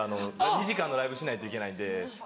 ２時間のライブしないといけないんで。